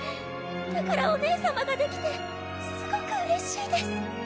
だからお姉様ができてすごくうれしいです！